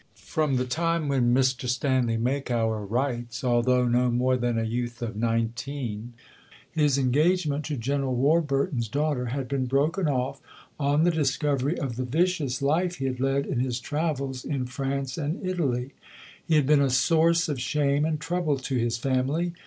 "From the time when," Mr Stanley Makower writes, "although no more than a youth of nineteen, his engagement to General Warburton's daughter had been broken off on the discovery of the vicious life he had led in his travels in France and Italy, he had been a source of shame and trouble to his family....